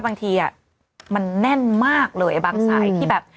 บางทีมันแน่นมากเลยบางสายที่แบบ